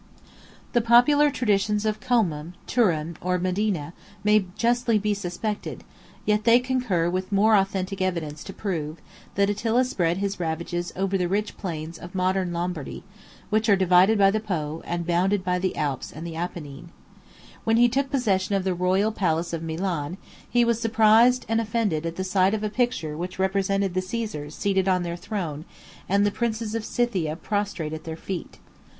The popular traditions of Comum, Turin, or Modena, may justly be suspected; yet they concur with more authentic evidence to prove, that Attila spread his ravages over the rich plains of modern Lombardy; which are divided by the Po, and bounded by the Alps and Apennine. 51 When he took possession of the royal palace of Milan, he was surprised and offended at the sight of a picture which represented the Caesars seated on their throne, and the princes of Scythia prostrate at their feet.